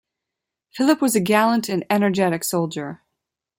Philip was a gallant and energetic soldier.